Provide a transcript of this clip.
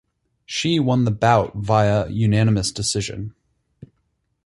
She won the bout via unanimous decision.